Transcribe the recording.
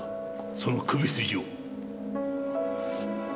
その首筋を。